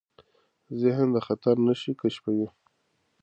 ذهن د خطر نښې کشفوي.